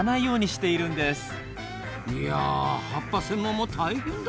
いや葉っぱ専門も大変だ。